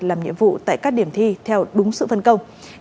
làm nhiệm vụ tại các điểm thi theo đúng sự phân công